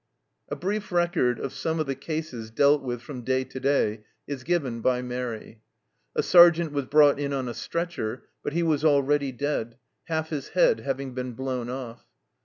A brief record of some of the cases dealt with from day to day is given by Mairi. A sergeant was brought in on a stretcher, but he was already dead, half his head having been blown off.